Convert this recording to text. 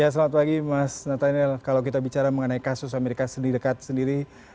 selamat pagi mas natanil kalau kita bicara mengenai kasus amerika serikat sendiri